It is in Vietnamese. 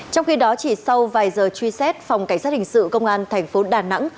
trong khi đó chỉ sau vài giờ truy xét phòng cảnh sát hình sự công an tp đà nẵng